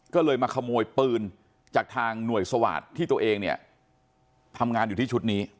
ก็เลยมาขโมยปืนจากทางหน่วยสวาสตร์ที่ตัวเองเนี่ยทำงานอยู่ที่ชุดนี้